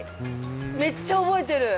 めっちゃ覚えてる